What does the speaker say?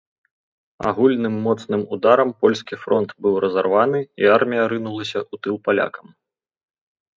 Агульным моцным ударам польскі фронт быў разарваны, і армія рынулася ў тыл палякам.